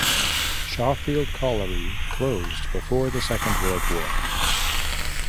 Shawfield Colliery closed before the Second World War.